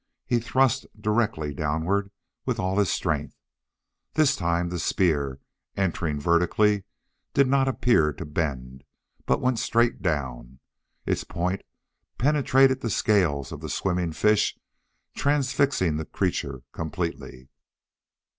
He thrust directly downward, with all his strength. This time the spear, entering vertically, did not appear to bend, but went straight down. Its point penetrated the scales of the swimming fish, transfixing the creature completely.